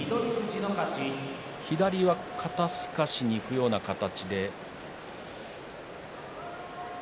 左は肩すかしにいくような形で。